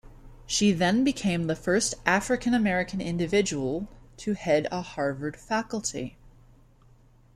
She then became the first African American individual to head a Harvard faculty.